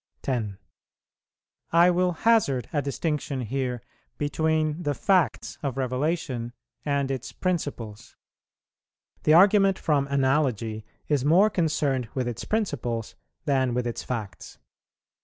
10. I will hazard a distinction here between the facts of revelation and its principles: the argument from Analogy is more concerned with its principles than with its facts.